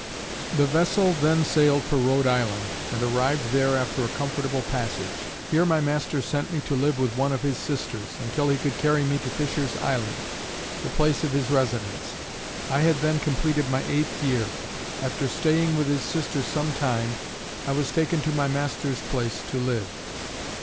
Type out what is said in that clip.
The vessel then sailed for Rhode Island, and arrived there after a comfortable passage. Here my master sent me to live with one of his sisters, until he could carry me to Fisher's Island, the place of his residence. I had then competed my eighth year. After staying with his sister some time I was taken to my master's place to live.